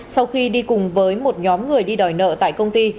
sau khi đi cùng với một nhóm người đi đòi nợ tại công ty